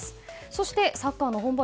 そして、サッカーの本場